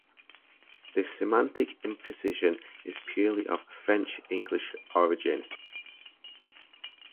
This semantic imprecision is purely of French-English origin.